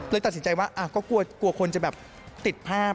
ตัดสินใจว่าก็กลัวคนจะแบบติดภาพ